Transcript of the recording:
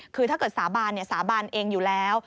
คือถ้าเกิดสาบานสาบานเองอยู่แล้ว